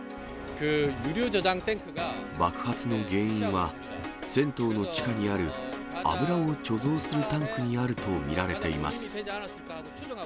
爆発の原因は、銭湯の地下にある油を貯蔵するタンクにあると見られています。